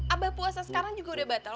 abah puasa sekarang juga udah batal